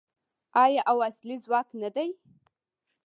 آیا او اصلي ځواک نه دی؟